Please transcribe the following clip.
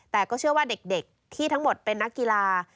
แต่ก็เชื่อว่าเด็กที่ทั้งหมดเป็นนักกีฬา